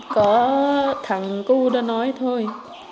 có thằng cô đó nói thôi